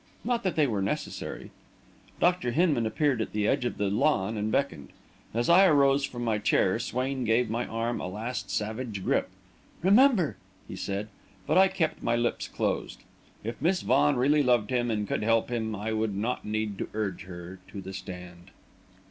Not that they were necessary ... Dr. Hinman appeared at the edge of the lawn and beckoned. As I arose from my chair, Swain gave my arm a last savage grip. "Remember!" he said. But I kept my lips closed. If Miss Vaughan really loved him, and could help him, I would not need to urge her to the stand!